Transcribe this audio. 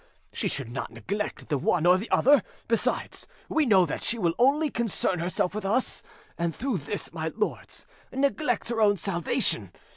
She should not neglect the one or the other. Besides, we know that she will only concern herself with us, and, through this, my lords, neglect her own salvation.